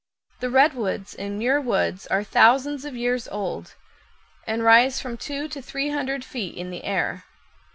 The redwoods in Muir Woods are thousands of years old, and rise from two to three hundred feet in air.